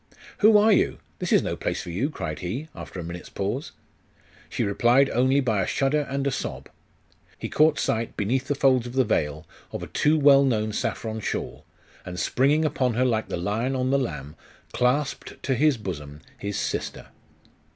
'Who are you? This is no place for you!' cried he, after a minute's pause. She replied only by a shudder and a sob.... He caught sight, beneath the folds of the veil, of a too well known saffron shawl, and springing upon her like the lion on the lamb, clasped to his bosom his sister.